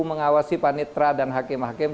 mengawasi panitra dan hakim hakim